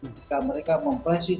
jika mereka memplesing